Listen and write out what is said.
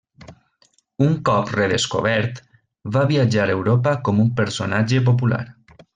Un cop redescobert, va viatjar a Europa com un personatge popular.